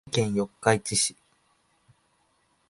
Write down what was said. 三重県四日市市